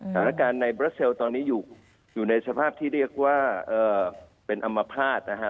ธนาคารในบรัสเซลตอนนี้อยู่ในสภาพที่เรียกว่าเป็นอำมาภาษณ์นะฮะ